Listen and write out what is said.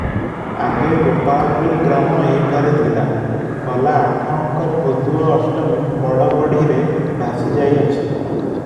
ଆଗେ ଗୋପାଳପୁର ଗ୍ରାମ ଏହିଠାରେ ଥିଲା, ଗଲା ଆଠ ଅଙ୍କ ଭୋଦୁଅ ଅଷ୍ଟମୀ ବଡ଼ ବଢ଼ିରେ ଭାସିଯାଇଅଛି ।